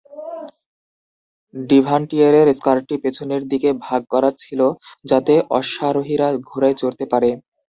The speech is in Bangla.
ডিভান্টিয়েরের স্কার্টটি পেছনের দিকে ভাগ করা ছিল যাতে অশ্বারোহীরা ঘোড়ায় চড়তে পারে।